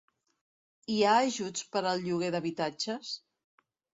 Hi ha ajuts per al lloguer d'habitatges?